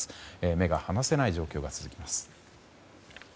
目が離せない状況が続きます。